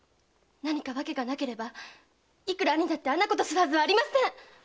何か訳がなければいくら兄だってあんなことするはずありません！